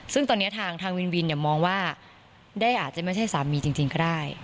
ซึ่งตอนนี้ทางวินวินมองว่าได้อาจจะไม่ใช่สามีจริงก็ได้